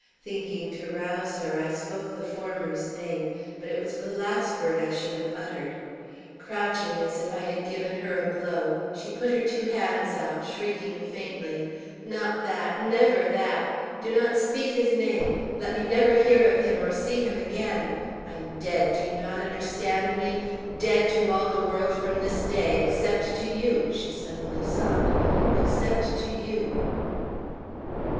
Thinking to rouse her, I spoke the former's name. But it was the last word I should have uttered. Crouching as if I had given her a blow, she put her two hands out, shrieking faintly: 'Not that! Never that! Do not speak his name. Let me never hear of him or see him again. I am dead do you not understand me? dead to all the world from this day except to you!' she suddenly sobbed, 'except to you!'